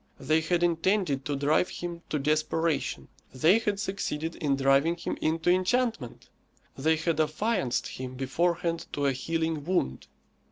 They had intended to drive him to desperation; they had succeeded in driving him into enchantment. They had affianced him beforehand to a healing wound.